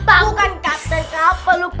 aku kan captain kapal laut